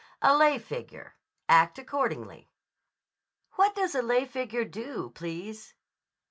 "A lay figure. Act accordingly." "What does a lay figure do, please?"